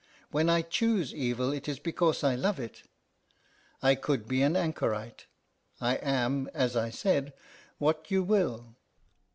When I choose evil it is because I love it. I could be an anchorite; I am, as I said what you will."